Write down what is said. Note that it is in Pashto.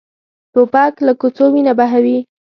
توپک له کوڅو وینه بهوي.